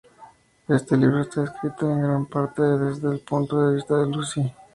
Este libro está escrito en gran parte desde el punto de vista de Lucy.